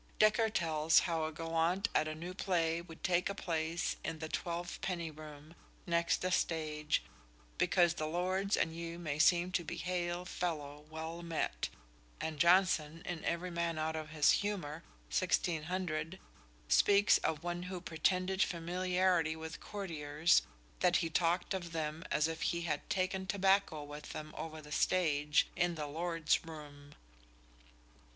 Dekker tells how a gallant at a new play would take a place in the "twelve penny room, next the stage, because the lords and you may seem to be hail fellow, well met"; and Jonson, in "Every Man out of his Humour," 1600, speaks of one who pretended familiarity with courtiers, that he talked of them as if he had "taken tobacco with them over the stage, in the lords' room."